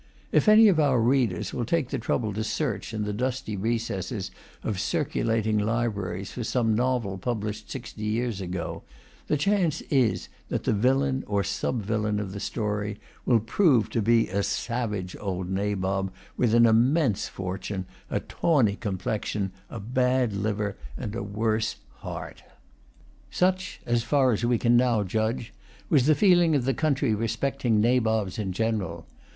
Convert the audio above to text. If any of our readers will take the trouble to search in the dusty recesses of circulating libraries for some novel published sixty years ago, the chance is that the villain or sub villain of the story will prove to be a savage old Nabob, with an immense fortune, a tawny complexion, a bad liver, and a worse heart. Such, as far as we can now judge, was the feeling of the country respecting Nabobs in general.